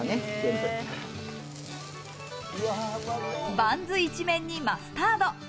バンズ一面にマスタード。